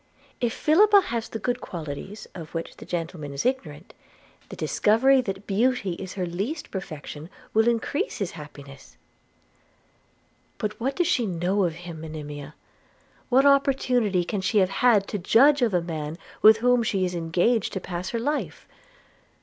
If Philippa has the good qualities of which the gentleman is ignorant, the discovery that beauty is her least perfection will increase his happiness.' 'But what does she know of him, Monimia? What opportunity can she have had to judge of a man with whom she is engaged to pass her life?